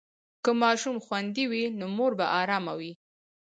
که ماشوم خوندي وي، نو مور به ارامه وي.